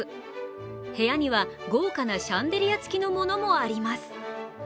部屋には豪華なシャンデリア付きのものもあります。